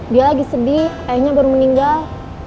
dia lagi sedih ayahnya baru meninggal